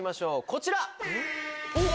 こちら！